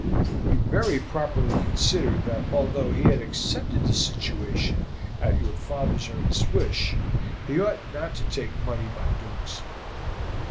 He very properly considered that although he had accepted the situation at your father's earnest wish, he ought not to make money by doing so.